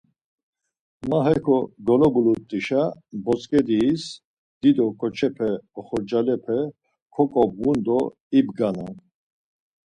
Ma heko golobulut̆işa botzǩediis dido ǩoçepe oxorcalepe koǩobğun do ibgarnan.